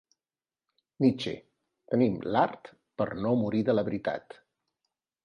Nietzsche: tenim l'art per no morir de la veritat.